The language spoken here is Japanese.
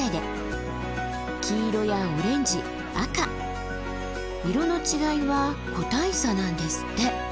黄色やオレンジ赤色の違いは個体差なんですって。